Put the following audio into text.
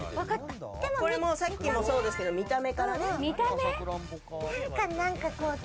これも、さっきもそうですけど見た目からね。